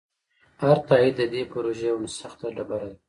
هر تایید د دې پروژې یوه سخته ډبره ده.